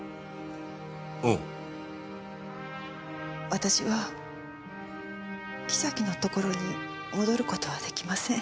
私は木崎のところに戻る事は出来ません。